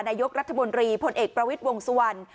นายกรัฐมนตรีพลเอกประวิทย์วงสุวรรณ